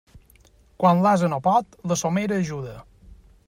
Quan l'ase no pot, la somera ajuda.